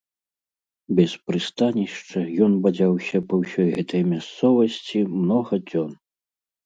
Без прыстанішча ён бадзяўся па ўсёй гэтай мясцовасці многа дзён.